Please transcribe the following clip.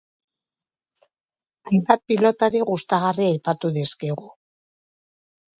Hainbat pilotari gustagarri aipatu dizkigu.